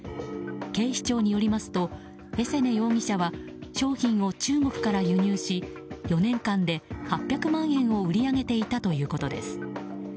警視庁によりますとエセネ容疑者は商品を中国から輸入し４年間で８００万円を売り上げていたということです。